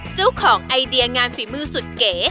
เจ้าของไอเดียงานฝีมือสุดเก๋